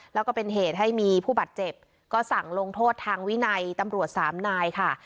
แล้วก็เป็นเหตุให้มีผู้บาดเจ็บก็สั่งลงโทษทางวินัยตำรวจสามนายค่ะ